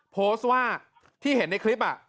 โพสต์ว่าที่เห็นในคลิป